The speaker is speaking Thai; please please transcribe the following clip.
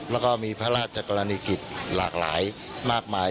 แล้วก็มีพระราชกรณีกิจหลากหลายมากมาย